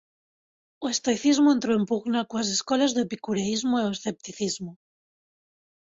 O Estoicismo entrou en pugna coas escolas do Epicureísmo e o Escepticismo.